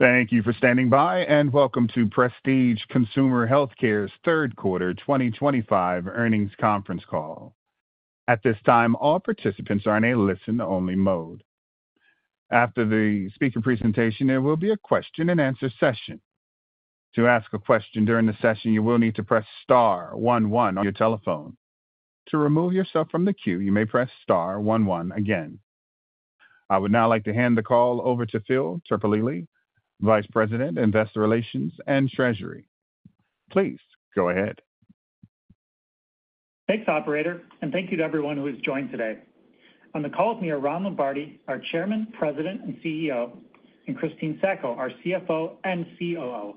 Thank you for standing by, and welcome to Prestige Consumer Healthcare's Third Quarter 2025 earnings conference call. At this time, all participants are in a listen-only mode. After the speaker presentation, there will be a question-and-answer session. To ask a question during the session, you will need to press star one one on your telephone. To remove yourself from the queue, you may press star one one again. I would now like to hand the call over to Phil Terpolilli, Vice President, Investor Relations and Treasury. Please go ahead. Thanks, Operator, and thank you to everyone who has joined today. On the call with me are Ron Lombardi, our Chairman, President, and CEO, and Christine Sacco, our CFO and COO.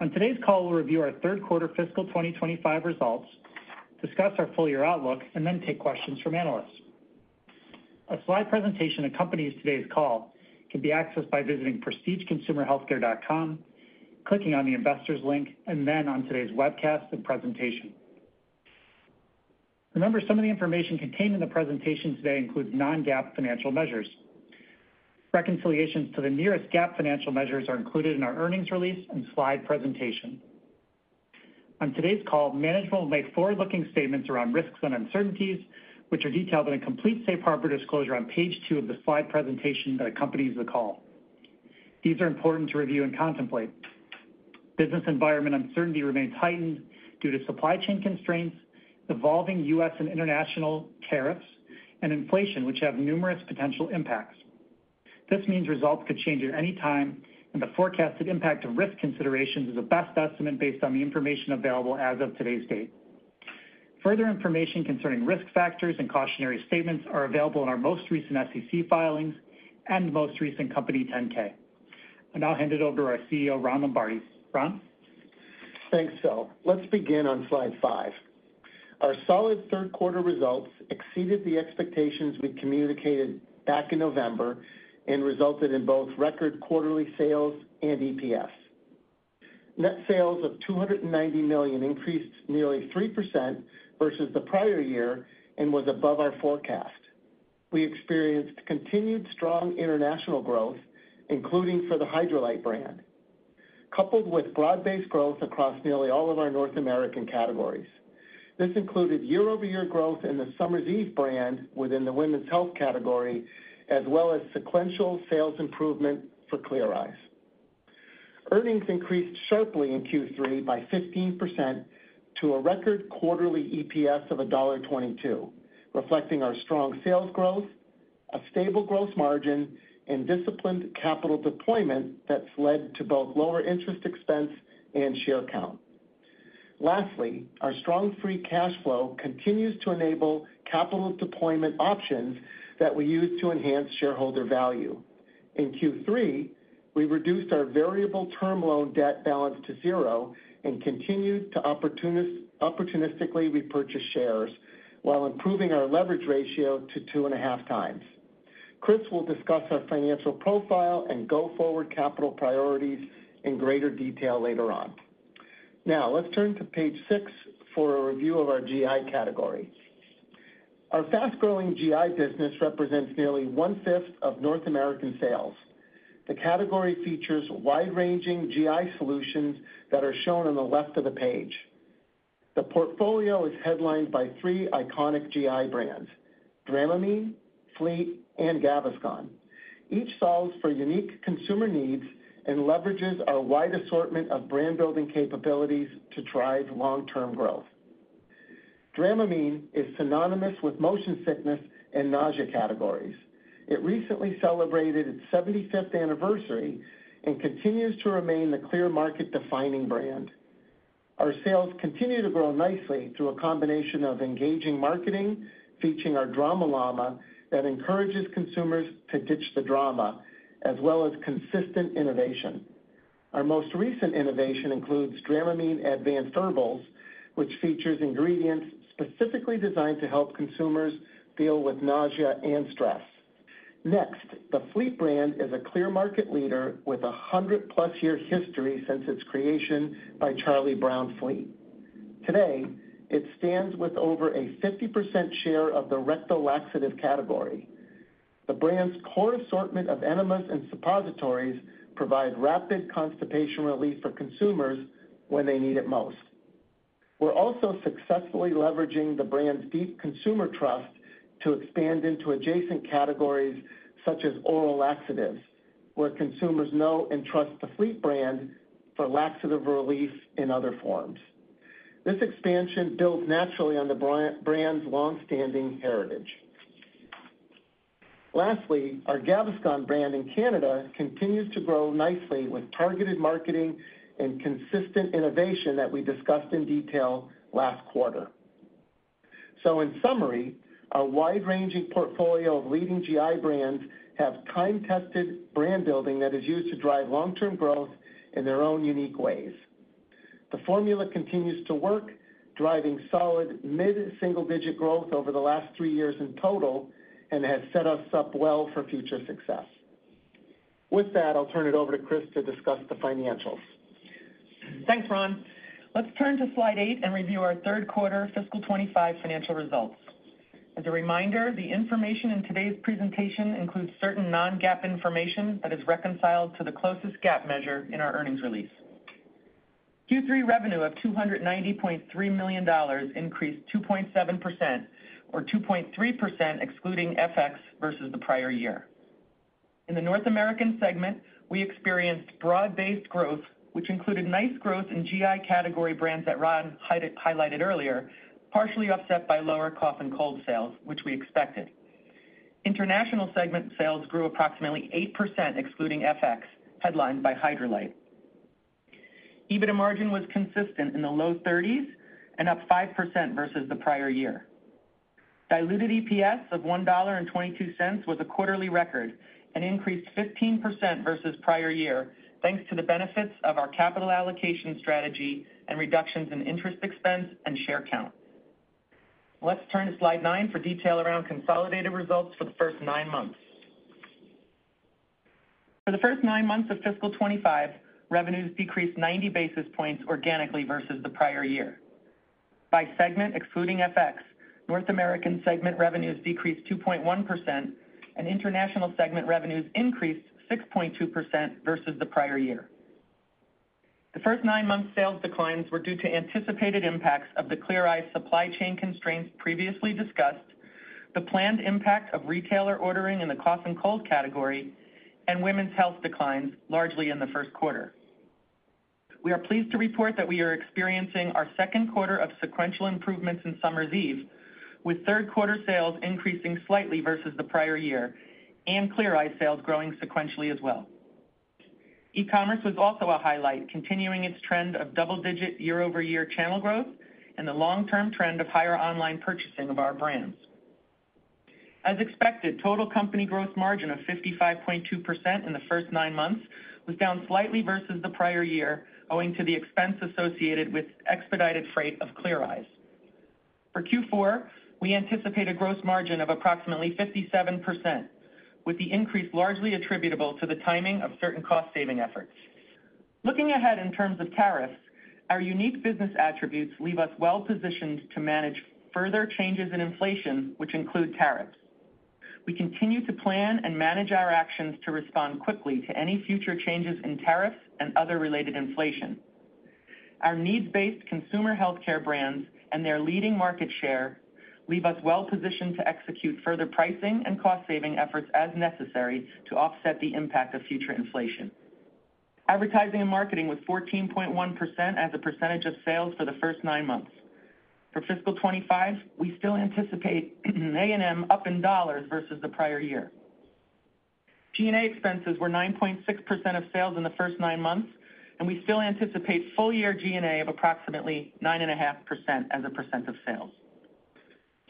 On today's call, we'll review our third quarter fiscal 2025 results, discuss our full year outlook, and then take questions from analysts. A slide presentation accompanies today's call. It can be accessed by visiting prestigeconsumerhealthcare.com, clicking on the investors link, and then on today's webcast and presentation. Remember, some of the information contained in the presentation today includes non-GAAP financial measures. Reconciliations to the nearest GAAP financial measures are included in our earnings release and slide presentation. On today's call, management will make forward-looking statements around risks and uncertainties, which are detailed in a complete safe harbor disclosure on page two of the slide presentation that accompanies the call. These are important to review and contemplate. Business environment uncertainty remains heightened due to supply chain constraints, evolving U.S. and international tariffs, and inflation, which have numerous potential impacts. This means results could change at any time, and the forecasted impact of risk considerations is a best estimate based on the information available as of today's date. Further information concerning risk factors and cautionary statements are available in our most recent SEC filings and most recent Company 10-K. I'll now hand it over to our CEO, Ron Lombardi. Ron. Thanks, Phil. Let's begin on slide five. Our solid third quarter results exceeded the expectations we communicated back in November and resulted in both record quarterly sales and EPS. Net sales of $290 million increased nearly 3% versus the prior year and was above our forecast. We experienced continued strong international growth, including for the Hydralyte brand, coupled with broad-based growth across nearly all of our North American categories. This included year-over-year growth in the Summer's Eve brand within the women's health category, as well as sequential sales improvement for Clear Eyes. Earnings increased sharply in Q3 by 15% to a record quarterly EPS of $1.22, reflecting our strong sales growth, a stable gross margin, and disciplined capital deployment that's led to both lower interest expense and share count. Lastly, our strong free cash flow continues to enable capital deployment options that we use to enhance shareholder value. In Q3, we reduced our variable term loan debt balance to zero and continued to opportunistically repurchase shares while improving our leverage ratio to two and a half times. Chris will discuss our financial profile and go forward capital priorities in greater detail later on. Now, let's turn to page six for a review of our GI category. Our fast-growing GI business represents nearly one-fifth of North American sales. The category features wide-ranging GI solutions that are shown on the left of the page. The portfolio is headlined by three iconic GI brands: Dramamine, Fleet, and Gaviscon. Each solves for unique consumer needs and leverages our wide assortment of brand-building capabilities to drive long-term growth. Dramamine is synonymous with motion sickness and nausea categories. It recently celebrated its 75th anniversary and continues to remain the clear market-defining brand. Our sales continue to grow nicely through a combination of engaging marketing featuring our drama llama that encourages consumers to ditch the drama, as well as consistent innovation. Our most recent innovation includes Dramamine Advanced Herbals, which features ingredients specifically designed to help consumers deal with nausea and stress. Next, the Fleet brand is a clear market leader with a 100-plus year history since its creation by Charles Browne Fleet. Today, it stands with over a 50% share of the rectal laxative category. The brand's core assortment of enemas and suppositories provides rapid constipation relief for consumers when they need it most. We're also successfully leveraging the brand's deep consumer trust to expand into adjacent categories such as oral laxatives, where consumers know and trust the Fleet brand for laxative relief in other forms. This expansion builds naturally on the brand's long-standing heritage. Lastly, our Gaviscon brand in Canada continues to grow nicely with targeted marketing and consistent innovation that we discussed in detail last quarter. So, in summary, our wide-ranging portfolio of leading GI brands have time-tested brand-building that is used to drive long-term growth in their own unique ways. The formula continues to work, driving solid mid-single-digit growth over the last three years in total and has set us up well for future success. With that, I'll turn it over to Chris to discuss the financials. Thanks, Ron. Let's turn to slide eight and review our third quarter fiscal 2025 financial results. As a reminder, the information in today's presentation includes certain non-GAAP information that is reconciled to the closest GAAP measure in our earnings release. Q3 revenue of $290.3 million increased 2.7%, or 2.3% excluding FX versus the prior year. In the North American segment, we experienced broad-based growth, which included nice growth in GI category brands that Ron highlighted earlier, partially offset by lower cough and cold sales, which we expected. International segment sales grew approximately 8% excluding FX, headlined by Hydralyte. EBITDA margin was consistent in the low 30s and up 5% versus the prior year. Diluted EPS of $1.22 was a quarterly record and increased 15% versus prior year, thanks to the benefits of our capital allocation strategy and reductions in interest expense and share count. Let's turn to slide nine for detail around consolidated results for the first nine months. For the first nine months of fiscal 2025, revenues decreased 90 basis points organically versus the prior year. By segment excluding FX, North American segment revenues decreased 2.1%, and international segment revenues increased 6.2% versus the prior year. The first nine months' sales declines were due to anticipated impacts of the Clear Eyes supply chain constraints previously discussed, the planned impact of retailer ordering in the cough and cold category, and women's health declines largely in the first quarter. We are pleased to report that we are experiencing our second quarter of sequential improvements in Summer's Eve, with third quarter sales increasing slightly versus the prior year and Clear Eyes sales growing sequentially as well. E-commerce was also a highlight, continuing its trend of double-digit year-over-year channel growth and the long-term trend of higher online purchasing of our brands. As expected, total company gross margin of 55.2% in the first nine months was down slightly versus the prior year, owing to the expense associated with expedited freight of Clear Eyes. For Q4, we anticipate a gross margin of approximately 57%, with the increase largely attributable to the timing of certain cost-saving efforts. Looking ahead in terms of tariffs, our unique business attributes leave us well-positioned to manage further changes in inflation, which include tariffs. We continue to plan and manage our actions to respond quickly to any future changes in tariffs and other related inflation. Our needs-based consumer healthcare brands and their leading market share leave us well-positioned to execute further pricing and cost-saving efforts as necessary to offset the impact of future inflation. Advertising and marketing was 14.1% as a percentage of sales for the first nine months. For fiscal 2025, we still anticipate A&M up in dollars versus the prior year. G&A expenses were 9.6% of sales in the first nine months, and we still anticipate full year G&A of approximately 9.5% as a percent of sales.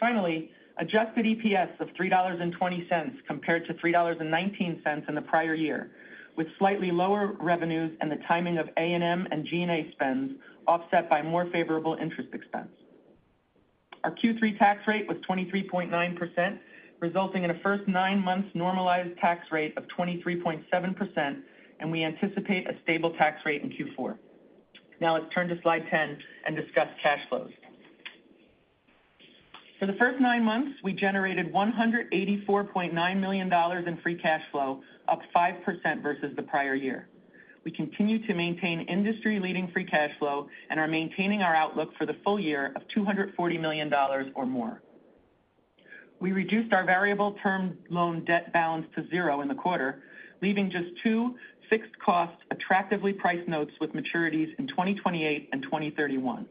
Finally, adjusted EPS of $3.20 compared to $3.19 in the prior year, with slightly lower revenues and the timing of A&M and G&A spends offset by more favorable interest expense. Our Q3 tax rate was 23.9%, resulting in a first nine months' normalized tax rate of 23.7%, and we anticipate a stable tax rate in Q4. Now let's turn to slide 10 and discuss cash flows. For the first nine months, we generated $184.9 million in free cash flow, up 5% versus the prior year. We continue to maintain industry-leading free cash flow and are maintaining our outlook for the full year of $240 million or more. We reduced our variable term loan debt balance to zero in the quarter, leaving just two fixed cost attractively priced notes with maturities in 2028 and 2031.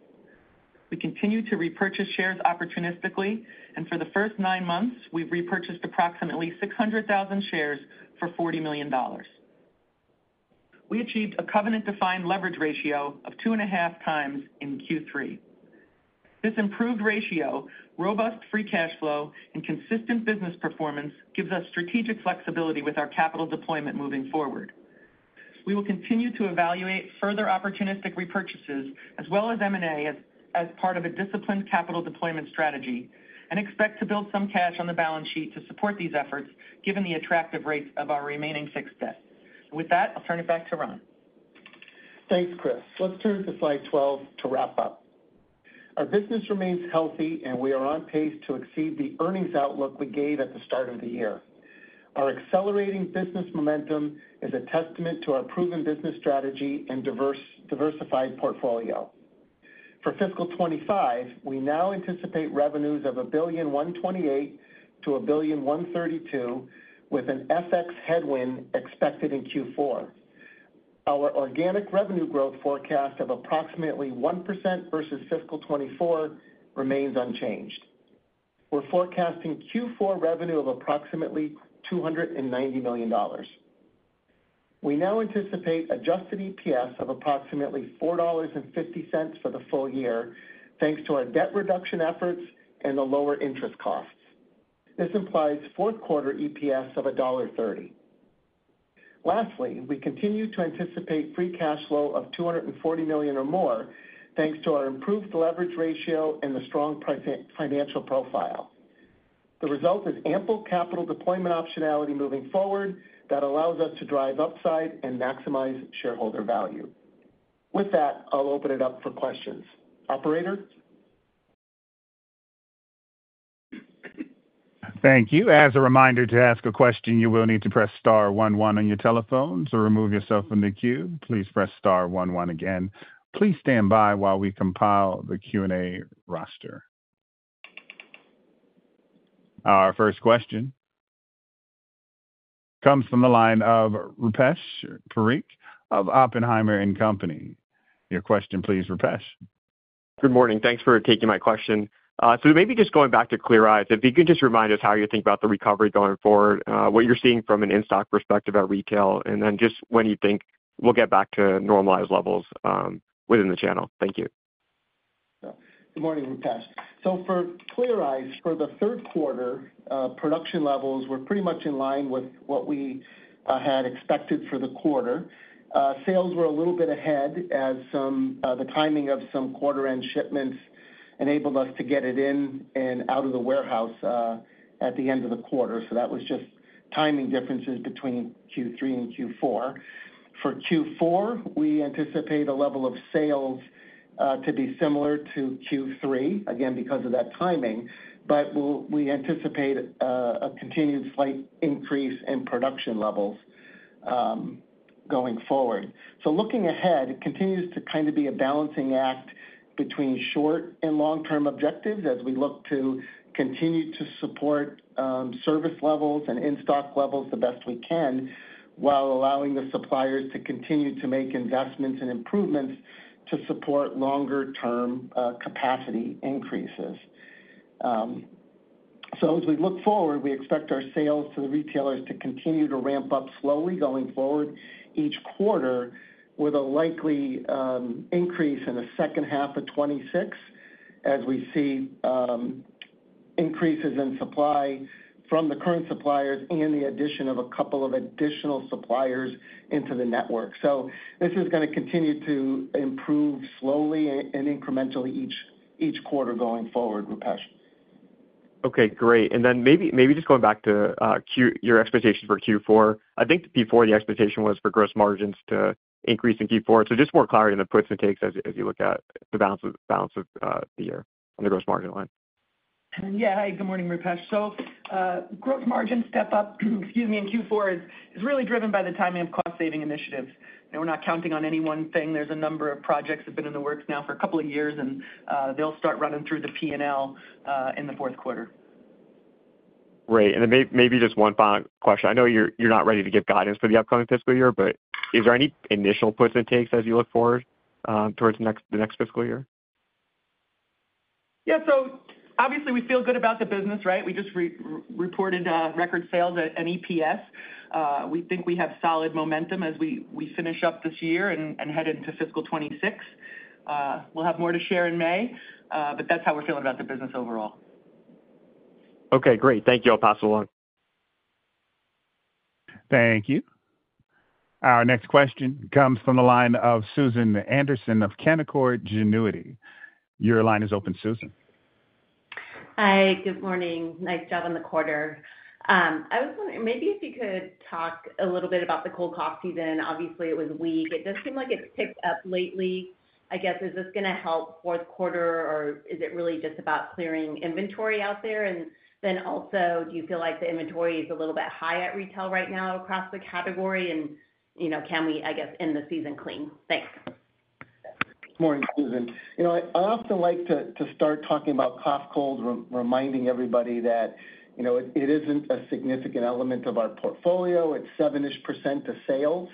We continue to repurchase shares opportunistically, and for the first nine months, we've repurchased approximately 600,000 shares for $40 million. We achieved a covenant-defined leverage ratio of two and a half times in Q3. This improved ratio, robust free cash flow, and consistent business performance gives us strategic flexibility with our capital deployment moving forward. We will continue to evaluate further opportunistic repurchases as well as M&A as part of a disciplined capital deployment strategy and expect to build some cash on the balance sheet to support these efforts given the attractive rates of our remaining fixed debt. With that, I'll turn it back to Ron. Thanks, Chris. Let's turn to slide 12 to wrap up. Our business remains healthy, and we are on pace to exceed the earnings outlook we gave at the start of the year. Our accelerating business momentum is a testament to our proven business strategy and diversified portfolio. For fiscal 25, we now anticipate revenues of $1.128 billion-$1.132 billion, with an FX headwind expected in Q4. Our organic revenue growth forecast of approximately 1% versus fiscal 24 remains unchanged. We're forecasting Q4 revenue of approximately $290 million. We now anticipate adjusted EPS of approximately $4.50 for the full year, thanks to our debt reduction efforts and the lower interest costs. This implies fourth quarter EPS of $1.30. Lastly, we continue to anticipate free cash flow of $240 million or more, thanks to our improved leverage ratio and the strong financial profile. The result is ample capital deployment optionality moving forward that allows us to drive upside and maximize shareholder value. With that, I'll open it up for questions. Operator. Thank you. As a reminder to ask a question, you will need to press star one one on your telephones or remove yourself from the queue. Please press star one one again. Please stand by while we compile the Q&A roster. Our first question comes from the line of Rupesh Parikh of Oppenheimer & Company. Your question, please, Rupesh. Good morning. Thanks for taking my question. So maybe just going back to Clear Eyes, if you could just remind us how you think about the recovery going forward, what you're seeing from an in-stock perspective at retail, and then just when you think we'll get back to normalized levels within the channel. Thank you. Good morning, Rupesh. So for Clear Eyes, for the third quarter, production levels were pretty much in line with what we had expected for the quarter. Sales were a little bit ahead as the timing of some quarter-end shipments enabled us to get it in and out of the warehouse at the end of the quarter. So that was just timing differences between Q3 and Q4. For Q4, we anticipate a level of sales to be similar to Q3, again, because of that timing, but we anticipate a continued slight increase in production levels going forward. So looking ahead, it continues to kind of be a balancing act between short and long-term objectives as we look to continue to support service levels and in-stock levels the best we can while allowing the suppliers to continue to make investments and improvements to support longer-term capacity increases. So as we look forward, we expect our sales to the retailers to continue to ramp up slowly going forward each quarter with a likely increase in the second half of 2026 as we see increases in supply from the current suppliers and the addition of a couple of additional suppliers into the network. So this is going to continue to improve slowly and incrementally each quarter going forward, Rupesh. Okay, great, and then maybe just going back to your expectation for Q4, I think before the expectation was for gross margins to increase in Q4, so just more clarity on the puts and takes as you look at the balance of the year on the gross margin line. Yeah, hi, good morning, Rupesh. So gross margin step up, excuse me, in Q4 is really driven by the timing of cost-saving initiatives. We're not counting on any one thing. There's a number of projects that have been in the works now for a couple of years, and they'll start running through the P&L in the fourth quarter. Great. And then maybe just one final question. I know you're not ready to give guidance for the upcoming fiscal year, but is there any initial puts and takes as you look forward towards the next fiscal year? Yeah, so obviously we feel good about the business, right? We just reported record sales at an EPS. We think we have solid momentum as we finish up this year and head into fiscal 2026. We'll have more to share in May, but that's how we're feeling about the business overall. Okay, great. Thank you. I'll pass it along. Thank you. Our next question comes from the line of Susan Anderson of Canaccord Genuity. Your line is open, Susan. Hi, good morning. Nice job on the quarter. I was wondering maybe if you could talk a little bit about the cold and cough season. Obviously, it was weak. It does seem like it's picked up lately. I guess, is this going to help fourth quarter, or is it really just about clearing inventory out there? And then also, do you feel like the inventory is a little bit high at retail right now across the category? And can we, I guess, end the season clean? Thanks. Good morning, Susan. You know, I often like to start talking about cough cold, reminding everybody that it isn't a significant element of our portfolio. It's 7% of sales,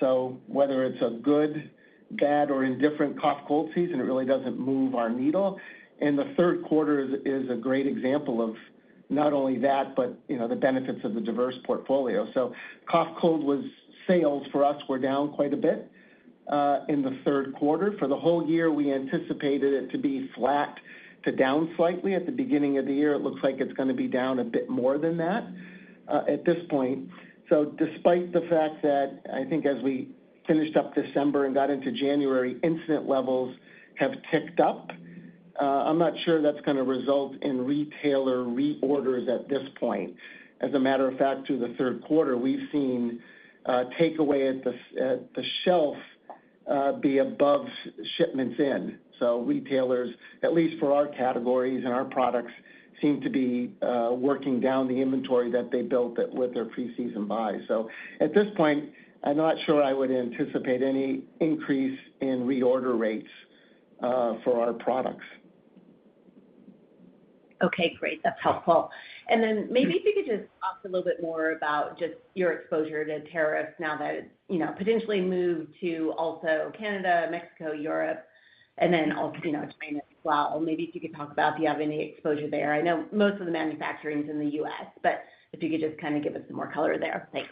so whether it's a good, bad, or indifferent cough cold season, it really doesn't move our needle, and the third quarter is a great example of not only that, but the benefits of the diverse portfolio, so cough cold was sales for us were down quite a bit in the third quarter. For the whole year, we anticipated it to be flat to down slightly. At the beginning of the year, it looks like it's going to be down a bit more than that at this point. So despite the fact that I think as we finished up December and got into January, incident levels have ticked up, I'm not sure that's going to result in retailer reorders at this point. As a matter of fact, through the third quarter, we've seen takeaway at the shelf be above shipments in. So retailers, at least for our categories and our products, seem to be working down the inventory that they built with their preseason buy. So at this point, I'm not sure I would anticipate any increase in reorder rates for our products. Okay, great. That's helpful. And then maybe if you could just talk a little bit more about just your exposure to tariffs now that it's potentially moved to also Canada, Mexico, Europe, and then also China as well. Maybe if you could talk about if you have any exposure there. I know most of the manufacturing's in the U.S., but if you could just kind of give us some more color there. Thanks.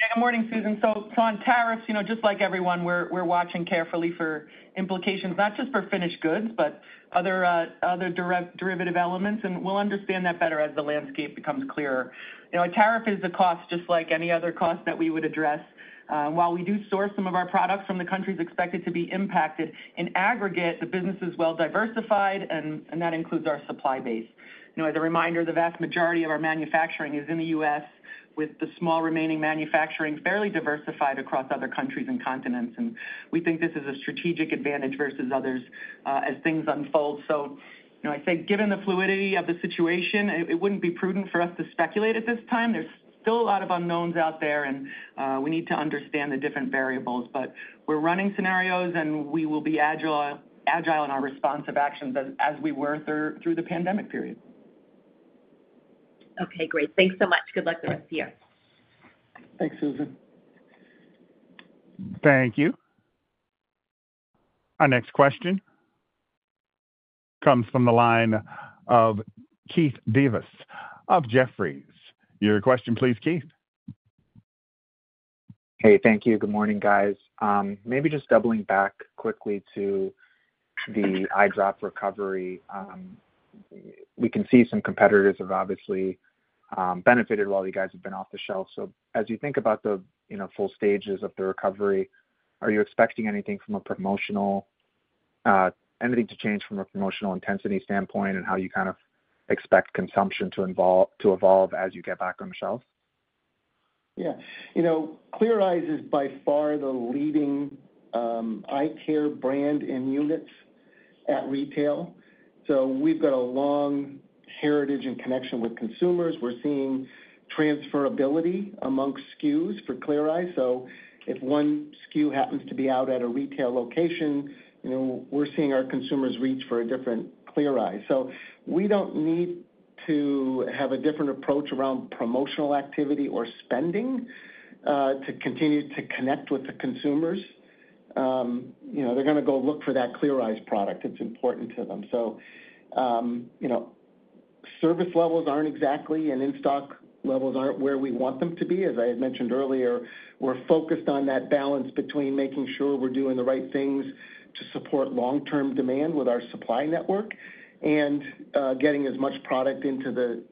Yeah, good morning, Susan. So on tariffs, just like everyone, we're watching carefully for implications, not just for finished goods, but other derivative elements. And we'll understand that better as the landscape becomes clearer. A tariff is a cost just like any other cost that we would address. While we do source some of our products from the countries expected to be impacted, in aggregate, the business is well diversified, and that includes our supply base. As a reminder, the vast majority of our manufacturing is in the U.S., with the small remaining manufacturing fairly diversified across other countries and continents. And we think this is a strategic advantage versus others as things unfold. So I think given the fluidity of the situation, it wouldn't be prudent for us to speculate at this time. There's still a lot of unknowns out there, and we need to understand the different variables. But we're running scenarios, and we will be agile in our response of actions as we were through the pandemic period. Okay, great. Thanks so much. Good luck the rest of the year. Thanks, Susan. Thank you. Our next question comes from the line of Keith Davis of Jefferies. Your question, please, Keith. Hey, thank you. Good morning, guys. Maybe just doubling back quickly to the eye drop recovery. We can see some competitors have obviously benefited while you guys have been off the shelf. So as you think about the full stages of the recovery, are you expecting anything from a promotional anything to change from a promotional intensity standpoint and how you kind of expect consumption to evolve as you get back on the shelf? Yeah. Clear Eyes is by far the leading eye care brand in units at retail. So we've got a long heritage and connection with consumers. We're seeing transferability amongst SKUs for Clear Eyes. So if one SKU happens to be out at a retail location, we're seeing our consumers reach for a different Clear Eyes. So we don't need to have a different approach around promotional activity or spending to continue to connect with the consumers. They're going to go look for that Clear Eyes product. It's important to them. So service levels aren't exactly, and in-stock levels aren't where we want them to be. As I had mentioned earlier, we're focused on that balance between making sure we're doing the right things to support long-term demand with our supply network and getting as much product into the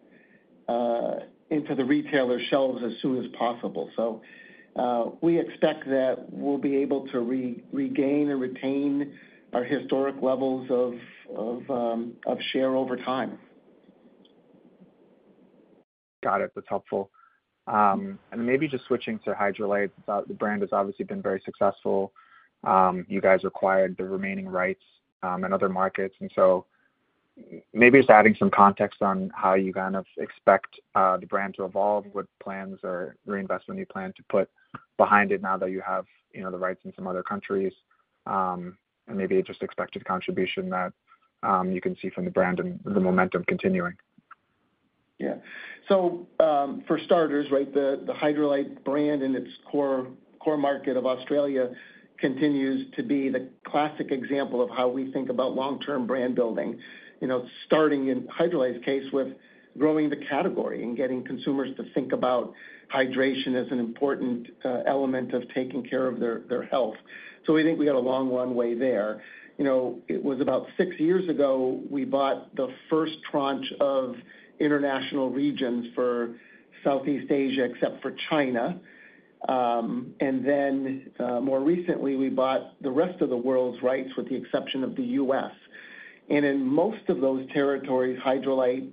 retailer shelves as soon as possible. We expect that we'll be able to regain and retain our historic levels of share over time. Got it. That's helpful. And maybe just switching to Hydralyte, the brand has obviously been very successful. You guys acquired the remaining rights in other markets. And so maybe just adding some context on how you kind of expect the brand to evolve, what plans or reinvestment you plan to put behind it now that you have the rights in some other countries, and maybe just expected contribution that you can see from the brand and the momentum continuing. Yeah. So for starters, right, the Hydralyte brand and its core market of Australia continues to be the classic example of how we think about long-term brand building. Starting in Hydralyte's case with growing the category and getting consumers to think about hydration as an important element of taking care of their health. So we think we got a long runway there. It was about six years ago we bought the first tranche of international regions for Southeast Asia, except for China. And then more recently, we bought the rest of the world's rights with the exception of the U.S. And in most of those territories, Hydralyte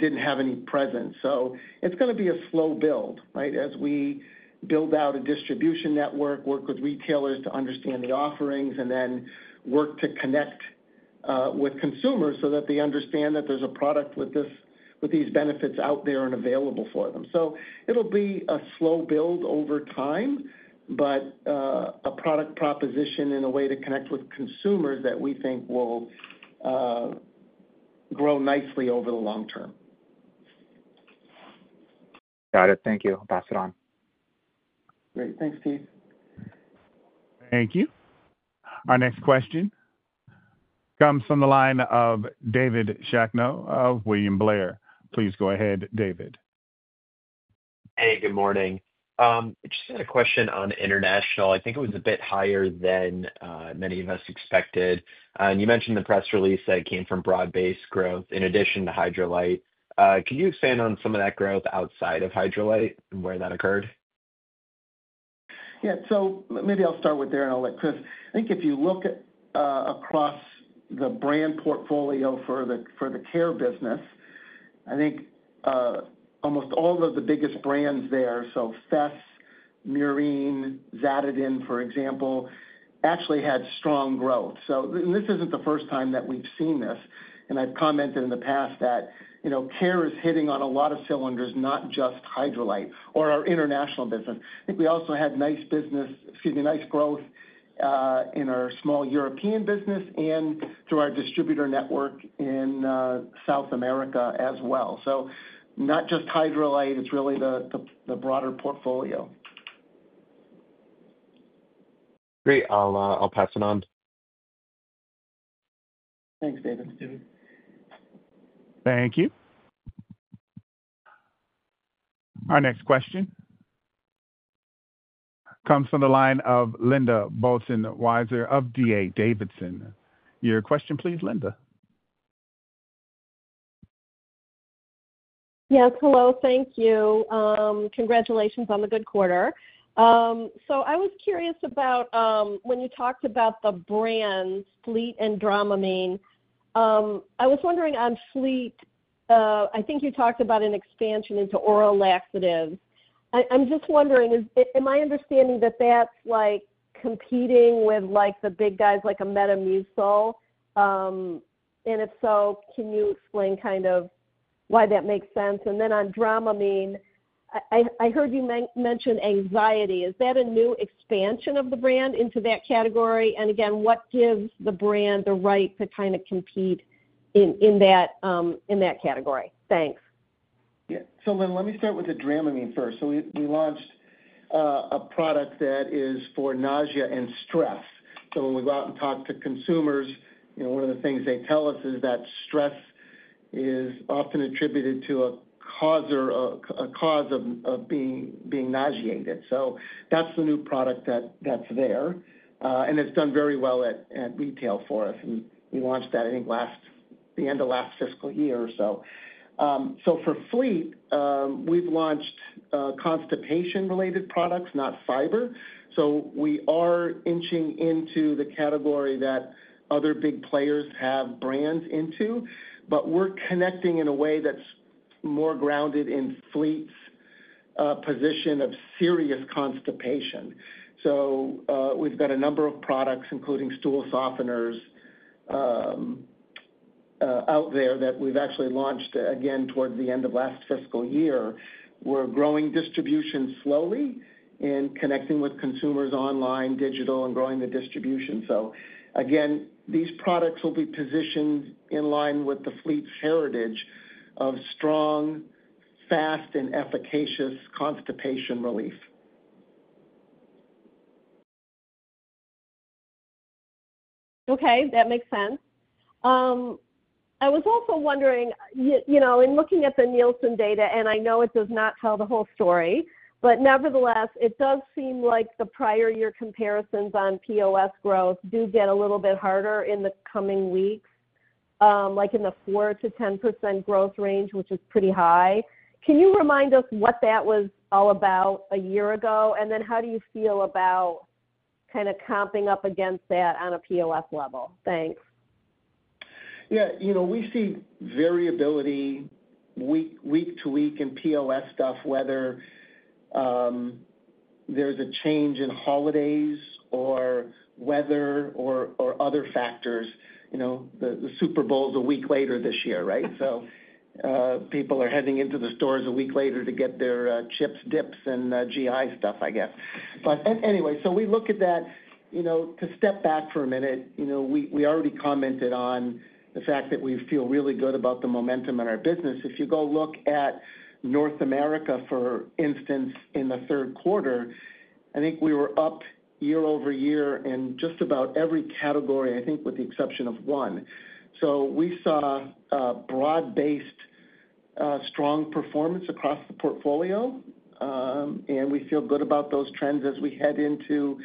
didn't have any presence. So it's going to be a slow build, right, as we build out a distribution network, work with retailers to understand the offerings, and then work to connect with consumers so that they understand that there's a product with these benefits out there and available for them. So it'll be a slow build over time, but a product proposition in a way to connect with consumers that we think will grow nicely over the long term. Got it. Thank you. I'll pass it on. Great. Thanks, Steve. Thank you. Our next question comes from the line of David Shacknow of William Blair. Please go ahead, David. Hey, good morning. Just had a question on international. I think it was a bit higher than many of us expected, and you mentioned the press release that came from broad-based growth in addition to Hydralyte. Can you expand on some of that growth outside of Hydralyte and where that occurred? Yeah. So maybe I'll start with there and I'll let Chris. I think if you look across the brand portfolio for the care business, I think almost all of the biggest brands there, so Fess, Murine, Zaditen, for example, actually had strong growth. And this isn't the first time that we've seen this. And I've commented in the past that care is hitting on a lot of cylinders, not just Hydralyte or our international business. I think we also had nice business, excuse me, nice growth in our small European business and through our distributor network in South America as well. So not just Hydralyte, it's really the broader portfolio. Great. I'll pass it on. Thanks, David. Thank you. Our next question comes from the line of Linda Bolton Weiser of D.A. Davidson. Your question, please, Linda. Yes. Hello. Thank you. Congratulations on the good quarter. So I was curious about when you talked about the brands, Fleet and Dramamine. I was wondering on Fleet, I think you talked about an expansion into oral laxatives. I'm just wondering, am I understanding that that's competing with the big guys like Metamucil? And if so, can you explain kind of why that makes sense? And then on Dramamine, I heard you mention anxiety. Is that a new expansion of the brand into that category? And again, what gives the brand the right to kind of compete in that category? Thanks. Yeah. So, then let me start with the Dramamine first. So, we launched a product that is for nausea and stress. So, when we go out and talk to consumers, one of the things they tell us is that stress is often attributed to a cause of being nauseated. So, that's the new product that's there. And it's done very well at retail for us. And we launched that, I think, the end of last fiscal year or so. So, for Fleet, we've launched constipation-related products, not fiber. So, we are inching into the category that other big players have brands into, but we're connecting in a way that's more grounded in Fleet's position of serious constipation. So, we've got a number of products, including stool softeners, out there that we've actually launched again towards the end of last fiscal year. We're growing distribution slowly and connecting with consumers online, digital, and growing the distribution, so again, these products will be positioned in line with the Fleet's heritage of strong, fast, and efficacious constipation relief. Okay. That makes sense. I was also wondering, in looking at the Nielsen data, and I know it does not tell the whole story, but nevertheless, it does seem like the prior year comparisons on POS growth do get a little bit harder in the coming weeks, like in the 4%-10% growth range, which is pretty high. Can you remind us what that was all about a year ago? And then how do you feel about kind of comping up against that on a POS level? Thanks. Yeah. We see variability week to week in POS stuff, whether there's a change in holidays or weather or other factors. The Super Bowl's a week later this year, right? So people are heading into the stores a week later to get their chips, dips, and GI stuff, I guess. But anyway, so we look at that. To step back for a minute, we already commented on the fact that we feel really good about the momentum in our business. If you go look at North America, for instance, in the third quarter, I think we were up year over year in just about every category, I think, with the exception of one. So we saw broad-based strong performance across the portfolio, and we feel good about those trends as we head into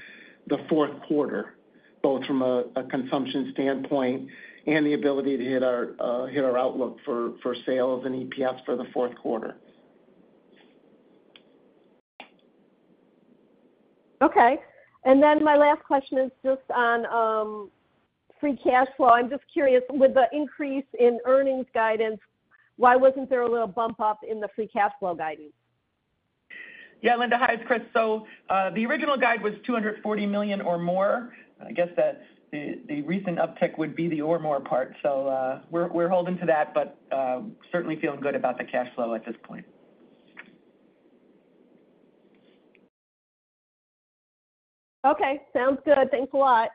the fourth quarter, both from a consumption standpoint and the ability to hit our outlook for sales and EPS for the fourth quarter. Okay. And then my last question is just on free cash flow. I'm just curious, with the increase in earnings guidance, why wasn't there a little bump up in the free cash flow guidance? Yeah, Linda, hi. It's Chris. So the original guide was $240 million or more. I guess the recent uptick would be the or more part. So we're holding to that, but certainly feeling good about the cash flow at this point. Okay. Sounds good. Thanks a lot.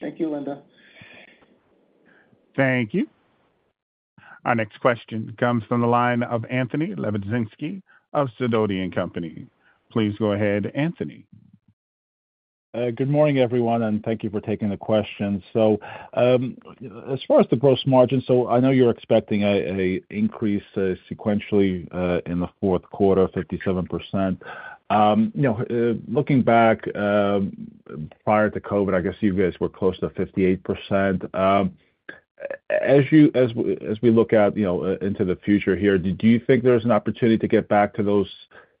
Thank you, Linda. Thank you. Our next question comes from the line of Anthony Lebiedzinski of Sidoti & Company. Please go ahead, Anthony. Good morning, everyone, and thank you for taking the question. So as far as the gross margin, so I know you're expecting an increase sequentially in the fourth quarter, 57%. Looking back prior to COVID, I guess you guys were close to 58%. As we look out into the future here, do you think there's an opportunity to get back to those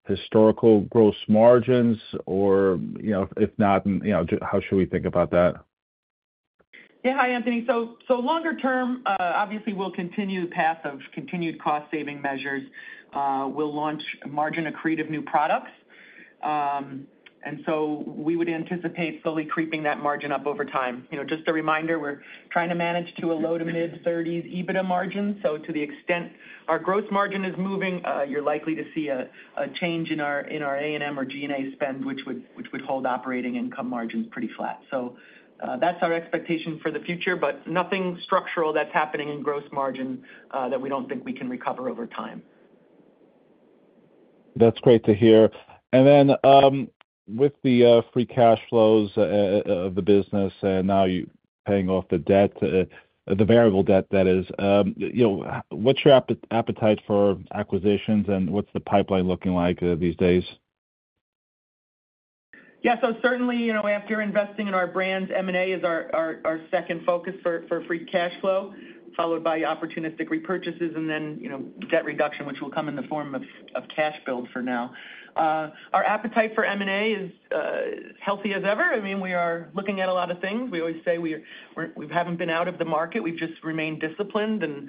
historical gross margins, or if not, how should we think about that? Yeah. Hi, Anthony. So longer term, obviously, we'll continue the path of continued cost-saving measures. We'll launch a margin accretive new products. And so we would anticipate slowly creeping that margin up over time. Just a reminder, we're trying to manage to a low to mid-30s EBITDA margin. So to the extent our gross margin is moving, you're likely to see a change in our A&M or G&A spend, which would hold operating income margins pretty flat. So that's our expectation for the future, but nothing structural that's happening in gross margin that we don't think we can recover over time. That's great to hear. And then with the free cash flows of the business and now you're paying off the debt, the variable debt, that is, what's your appetite for acquisitions, and what's the pipeline looking like these days? Yeah. So certainly, after investing in our brands, M&A is our second focus for free cash flow, followed by opportunistic repurchases and then debt reduction, which will come in the form of cash build for now. Our appetite for M&A is healthy as ever. I mean, we are looking at a lot of things. We always say we haven't been out of the market. We've just remained disciplined. And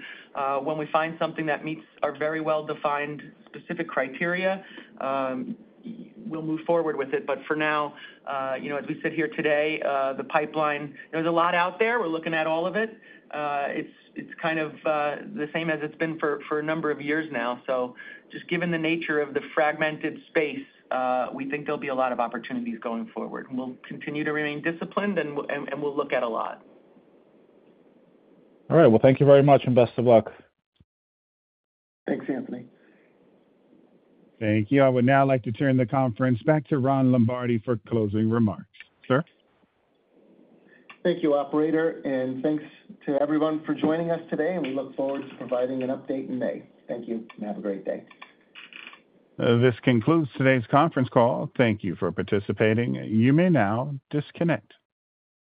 when we find something that meets our very well-defined specific criteria, we'll move forward with it. But for now, as we sit here today, the pipeline, there's a lot out there. We're looking at all of it. It's kind of the same as it's been for a number of years now. So just given the nature of the fragmented space, we think there'll be a lot of opportunities going forward. We'll continue to remain disciplined, and we'll look at a lot. All right. Well, thank you very much, and best of luck. Thanks, Anthony. Thank you. I would now like to turn the conference back to Ron Lombardi for closing remarks. Sir. Thank you, Operator. Thanks to everyone for joining us today. We look forward to providing an update in May. Thank you, and have a great day. This concludes today's conference call. Thank you for participating. You may now disconnect.